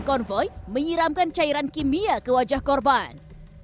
konvoy menyiramkan cairan kimia ke wajah korban